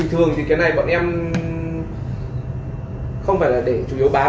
thường thì cái này bọn em không phải là để chủ yếu bán